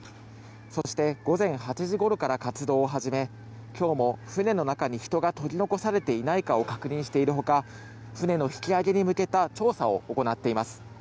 そして、午前８時ごろから活動を始め今日も船の中に人が取り残されていないかを確認しているほか船の引き揚げに向けた調査を行っています。